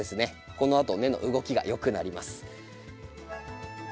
このあと根の動きが良くなります。